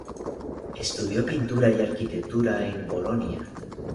Estudió pintura y arquitectura en Bolonia.